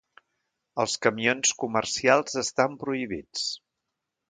Els camions comercials estan prohibits.